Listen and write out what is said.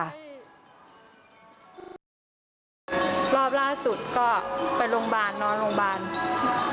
รอบล่าสุดก็ไปโรงพยาบาลนอนโรงพยาบาล